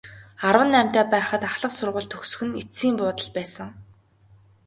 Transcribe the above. Арван наймтай байхад ахлах сургууль төгсөх нь эцсийн буудал байсан.